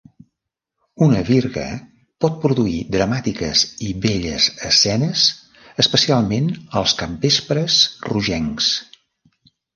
Una virga pot produir dramàtiques i belles escenes, especialment als capvespres rogencs.